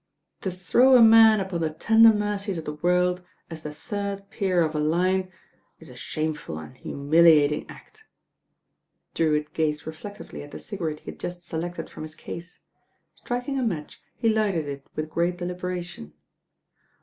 "To throw a man upon the tender mercies of the world as the third peer of a line is a shameful and humiliating act." Drewitt gazed reflectively at the cigarette he had just selected from his case. Striking a match, he lighted it with great deliberation.